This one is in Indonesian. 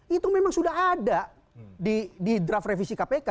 itu memang sudah ada di draft revisi kpk